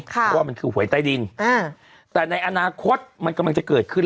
เพราะว่ามันคือหวยใต้ดินแต่ในอนาคตมันกำลังจะเกิดขึ้น